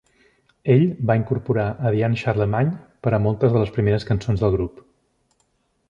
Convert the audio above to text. Ell va incorporar a Diane Charlemagne per a moltes de les primeres cançons del grup.